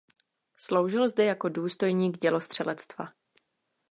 Sloužil zde jako důstojník dělostřelectva.